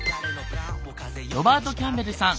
ロバートキャンベルさん。